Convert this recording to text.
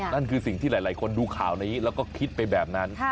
นั่นคือสิ่งที่หลายคนดูข่าวนี้แล้วก็คิดไปแบบนั้น